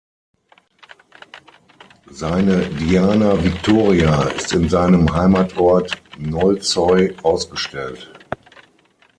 Seine "Diana Victoria" ist in seinem Heimatort Nólsoy ausgestellt.